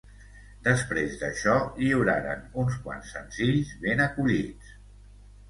Després d'això, lliuraren uns quants senzills ben acollits.